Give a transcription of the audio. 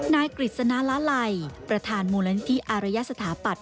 กฤษณาลาลัยประธานมูลนิธิอารยสถาปัตย